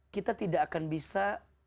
kita tidak akan bisa